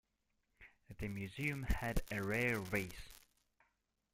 The museum had a rare Vase.